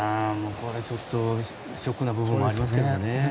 これ、ちょっとショックな部分もありますけどね。